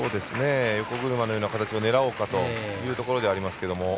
横車のような形を狙おうかというところでしょうけども。